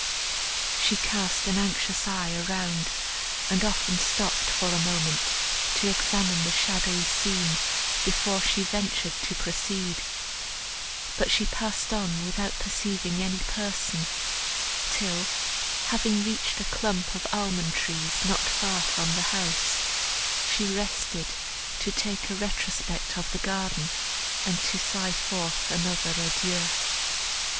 She cast an anxious eye around, and often stopped for a moment to examine the shadowy scene before she ventured to proceed, but she passed on without perceiving any person, till, having reached a clump of almond trees, not far from the house, she rested to take a retrospect of the garden, and to sigh forth another adieu.